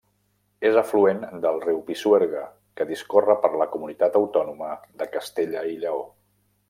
És afluent del riu Pisuerga, que discorre per la comunitat autònoma de Castella i Lleó.